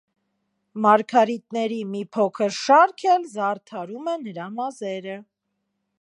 Մարգարիտների մի փոքր շարք էլ զարդարում է նրա մազերը։